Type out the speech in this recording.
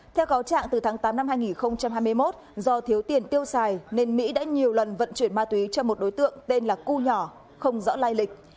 theo cáo trạng từ tháng tám năm hai nghìn hai mươi một do thiếu tiền tiêu xài nên mỹ đã nhiều lần vận chuyển ma túy cho một đối tượng tên là cu nhỏ không rõ lai lịch